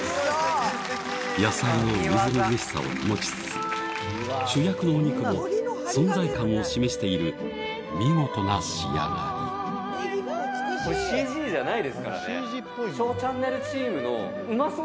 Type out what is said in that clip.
野菜のみずみずしさを保ちつつ主役のお肉も存在感を示している見事な仕上がりネギも美しい。